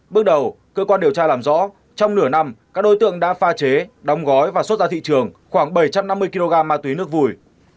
bước đầu cơ quan điều tra làm rõ trong nửa năm các đối tượng đã pha chế đóng gói và xuất ra thị trường khoảng bảy trăm năm mươi kg ma túy nước vùi